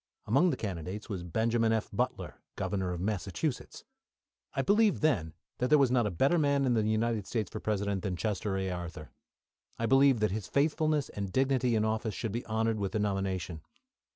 Among the candidates was Benjamin F. Butler, Governor of Massachusetts. I believed then there was not a better man in the United States for President than Chester A. Arthur. I believed that his faithfulness and dignity in office should be honoured with the nomination.